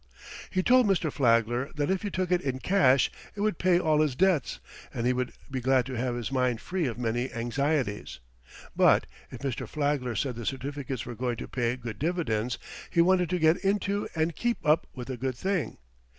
He told Mr. Flagler that if he took it in cash it would pay all his debts, and he would be glad to have his mind free of many anxieties; but if Mr. Flagler said the certificates were going to pay good dividends, he wanted to get into and keep up with a good thing.